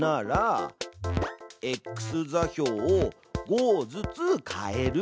「ｘ座標を５ずつ変える」。